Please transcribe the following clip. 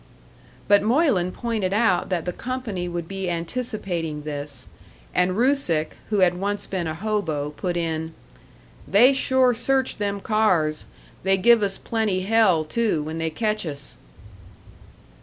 But Moylan pointed out that the company would be anticipating this; and Rusick, who had once been a hobo, put in: "They sure search them cars. They give us plenty hell, too, when they catch us."